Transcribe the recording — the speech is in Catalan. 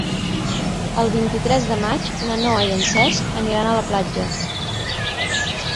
El vint-i-tres de maig na Noa i en Cesc aniran a la platja.